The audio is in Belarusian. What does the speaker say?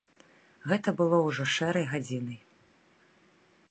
Гэта было ўжо шэрай гадзінай.